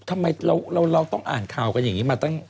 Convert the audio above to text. ทำไมเราต้องอ่านข่าวกันอย่างนี้มาตั้ง